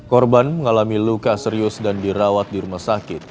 korban mengalami luka serius dan dirawat di rumah sakit